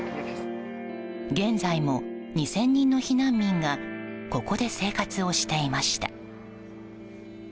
現在も２０００人の避難民がここで生活をしていました。